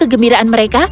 dan kegembiraan mereka